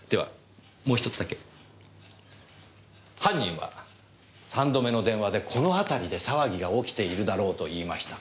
犯人は三度目の電話で「この辺りで騒ぎが起きているだろう」と言いました。